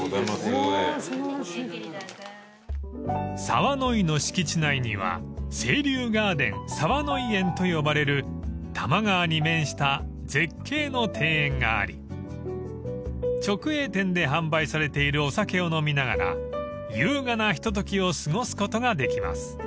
［澤乃井の敷地内には清流ガーデン澤乃井園と呼ばれる多摩川に面した絶景の庭園があり直営店で販売されているお酒を飲みながら優雅なひとときを過ごすことができます］